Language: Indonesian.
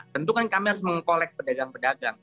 tentu kan kami harus mengkolek pedagang pedagang